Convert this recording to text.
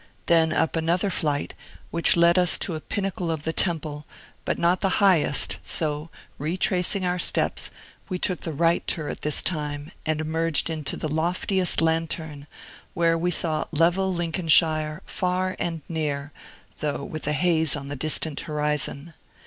Then up another flight, which led us into a pinnacle of the temple, but not the highest; so, retracing our steps, we took the right turret this time, and emerged into the loftiest lantern, where we saw level Lincolnshire, far and near, though with a haze on the distant horizon.